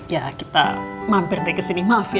ya kita mampir dari kesini maaf ya